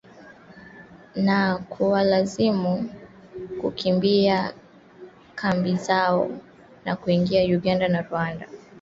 na kuwalazimu kukimbia kambi zao na kuingia Uganda na Rwanda